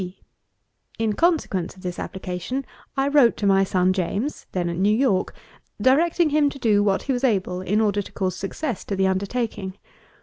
D. In consequence of this application, I wrote to my son James, (then at New York,) directing him to do what he was able in order to cause success to the undertaking.